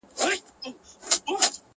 o ښاا ځې نو.